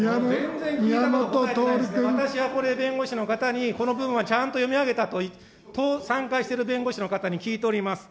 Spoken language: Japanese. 私はこれ、弁護士の方に、この文はちゃんと読み上げたと、参加している弁護士の方に聞いております。